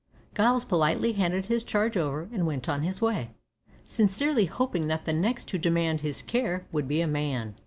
Giles politely handed his charge over, and went on his way, sincerely hoping that the next to demand his care would be a man.